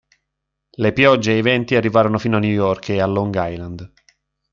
Le piogge e i venti arrivarono fino a New York e a Long Island.